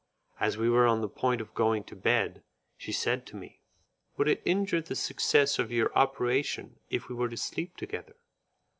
As we were on the point of going to bed, she said to me, "Would it injure the success of your operation if we were to sleep together?"